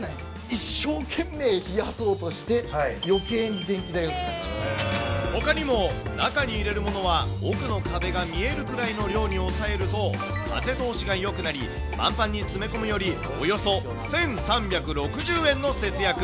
一生懸命冷やそうとして、よけいほかにも、中に入れるものは奥の壁が見えるくらいの量に抑えると、風通しがよくなり、まんぱんに詰め込むより、およそ１３６０円の節約。